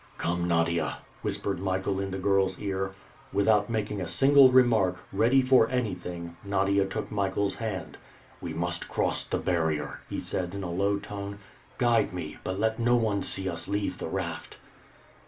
"Come, Nadia," whispered Michael in the girl's ear. Without making a single remark, "ready for anything," Nadia took Michael's hand. "We must cross the barrier," he said in a low tone. "Guide me, but let no one see us leave the raft."